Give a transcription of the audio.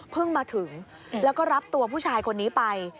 มาถึงแล้วก็รับตัวผู้ชายคนนี้ไป